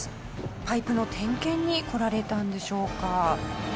パイプの点検に来られたんでしょうか。